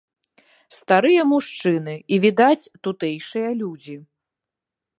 Старыя мужчыны і, відаць, тутэйшыя людзі.